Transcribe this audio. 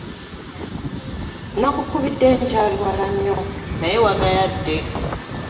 Nakukubidde nkyali wala nnyo naye wagayadde.